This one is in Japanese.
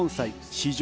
史上